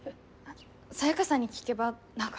サヤカさんに聞けば、何か。